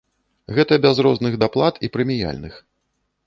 Гэта без розных даплат і прэміяльных.